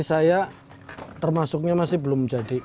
saya termasuknya masih belum jadi